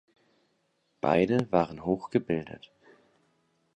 Beide waren hochgebildet.